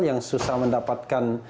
yang susah mendapatkan